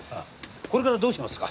これからどうしますか？